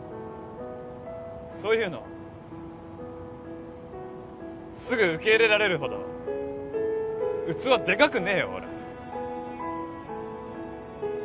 そういうのすぐ受け入れられるほど器でかくねえよ俺。